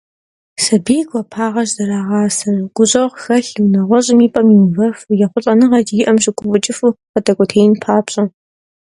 Сабийр гуапагъэщ зэрагъасэр, гущӏэгъу хэлъу, нэгъуэщӏым и пӏэм иувэфу, ехъулӏэныгъэ зиӏэм щыгуфӏыкӏыфу къыдэкӏуэтеин папщӏэ.